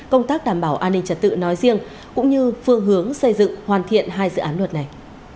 công tác đảm bảo an ninh trật tự nói riêng cũng như phương hướng xây dựng hoàn thiện hai dự án luật này